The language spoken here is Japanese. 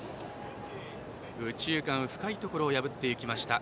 右中間の深いところを破っていきました。